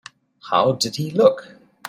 How did he look?